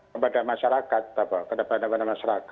kepada masyarakat bahwa ditambah satu tadi ya pak ini soal